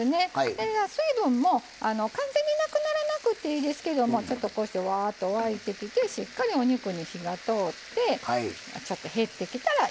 で水分も完全になくならなくていいですけどちょっとこうしてわっと沸いてきてしっかりお肉に火が通ってちょっと減ってきたらいい感じ。